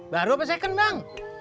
baru apa second bang